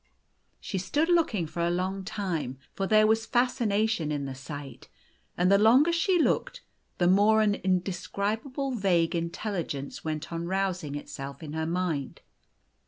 She stood looking for a long time, for there was fascination in the sight ; and the longer she looked the more an indescribable vague intelligence went on rousing itself in her mind.